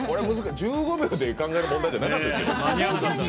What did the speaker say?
１５秒で考える問題じゃなかったですよ。